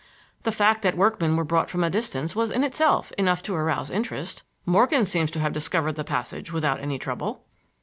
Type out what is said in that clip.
The fact that workmen were brought from a distance was in itself enough to arouse interest. Morgan seems to have discovered the passage without any trouble."